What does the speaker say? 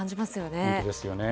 本当ですよね。